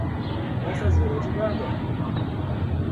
دست از وراجی بردار!